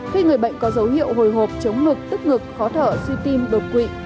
khi người bệnh có dấu hiệu hồi hộp chống lực tức ngực khó thở suy tim đột quỵ